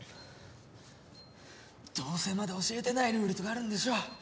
どうせまだ教えてないルールとかあるんでしょ？